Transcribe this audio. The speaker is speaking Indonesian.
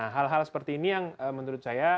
hal hal seperti ini yang menurut saya